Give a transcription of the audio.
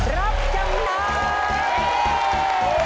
รับจำนำ